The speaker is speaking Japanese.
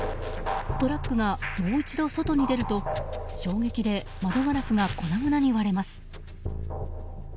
トラックがもう一度、外に出ると衝撃で窓ガラスが粉々に割れます。